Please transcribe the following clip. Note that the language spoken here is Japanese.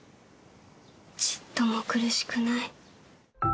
ちっとも苦しくない。